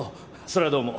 それはどうも。